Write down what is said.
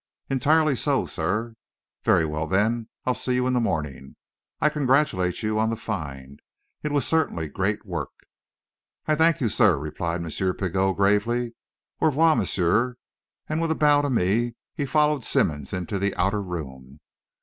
"Entirely so, sir." "Very well, then; I'll see you in the morning. I congratulate you on the find. It was certainly great work." "I thank you, sir," replied M. Pigot, gravely. "Au revoir, monsieur," and with a bow to me, he followed Simmonds into the outer room.